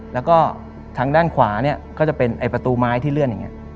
แล้วก็ทางด้านขวาเนี่ยก็จะเป็นประตูไม้ที่เลื่อนอย่างนี้